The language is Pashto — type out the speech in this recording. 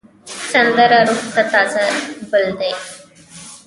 سندره روح ته تازه ګل دی